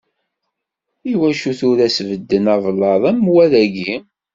Iwacu tura sbedden ablaḍ am wa dayi?